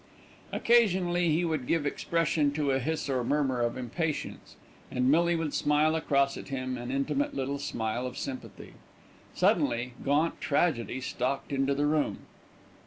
Occasionally he would give expression to a hiss or murmur of impatience, and Millie would smile across at him an intimate little smile of sympathy. Suddenly, gaunt tragedy stalked into the room.